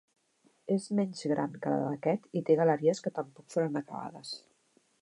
És menys gran que la d'aquest i té galeries que tampoc foren acabades.